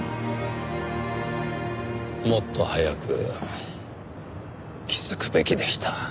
もっと早く気づくべきでした。